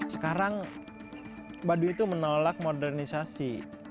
sekarang baduy itu menolak modernisasi